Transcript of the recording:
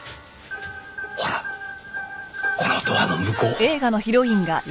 ほらこのドアの向こう。